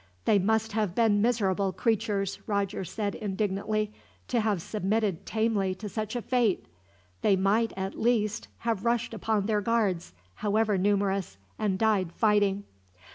"They must have been miserable creatures," Roger said indignantly, "to have submitted tamely to such a fate. They might, at least, have rushed upon their guards, however numerous, and died fighting."